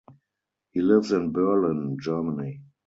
He lives in Berlin, Germany.